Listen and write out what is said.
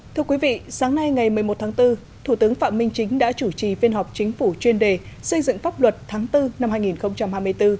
thưa quý vị sáng nay ngày một mươi một tháng bốn thủ tướng phạm minh chính đã chủ trì phiên họp chính phủ chuyên đề xây dựng pháp luật tháng bốn năm hai nghìn hai mươi bốn